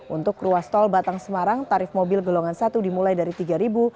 untuk ruas tol batang semarang tarif mobil golongan satu dimulai dari rp tiga